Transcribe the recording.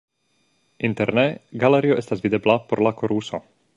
Interne galerio estas videbla por la koruso.